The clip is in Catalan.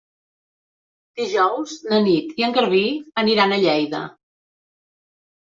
Dijous na Nit i en Garbí aniran a Lleida.